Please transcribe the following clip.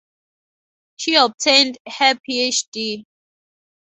She obtained her Phd.